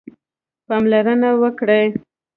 پاملرنه وکړئ